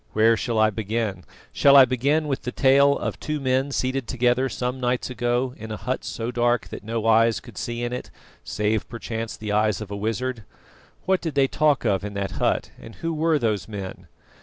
Where shall I begin? Shall I begin with the tale of two men seated together some nights ago in a hut so dark that no eyes could see in it, save perchance the eyes of a wizard? What did they talk of in that hut, and who were those men?